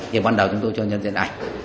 thì bắt đầu chúng tôi cho nhân diện ảnh